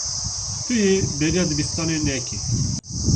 Tu yê bêriya dibistanê nekî.